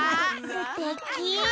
すてき！